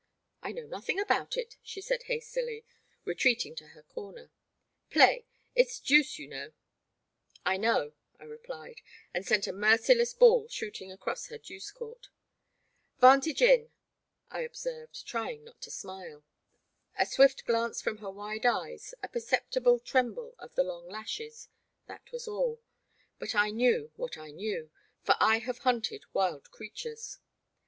*'I know nothing about it," she said, hastily, retreating to her comer ;play — it *s deuce you know. I know, I replied, and sent a merciless ball shooting across her deuce court. *' Vantage in, I observed, trying not to smile. A swift glance from her wide eyes, a percep tible tremble of the long lashes — that was all ; but I knew what I knew, for I have hunted wild creatures.